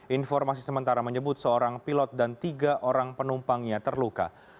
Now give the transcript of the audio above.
informasi sementara menyebut seorang pilot dan tiga orang penumpangnya terluka